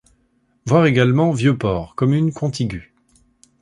Voir également Vieux-Port, commune contiguë.